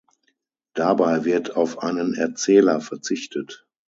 Dabei wird auf einen Erzähler verzichtet.